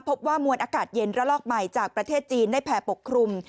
พบว่ามวลอากาศเย็นระลอกใหม่จากประเทศจีนได้แผ่ปกครุม